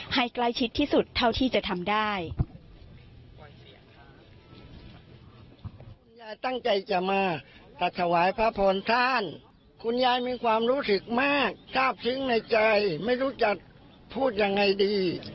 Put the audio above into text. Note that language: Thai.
ให้ใกล้ชิดที่สุดเท่าที่จะทำได้